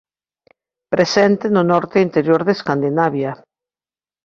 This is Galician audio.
Presente no norte e interior de Escandinavia.